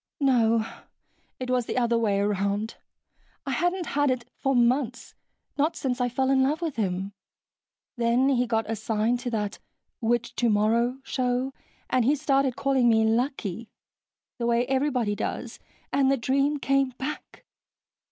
"No. It was the other way around. I hadn't had it for months, not since I fell in love with him, then he got assigned to that "Which Tomorrow?" show and he started calling me "Lucky," the way everybody does, and the dream came back...."